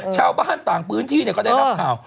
ชาวบ้านต่างพื้นที่ก็ได้รับข่าว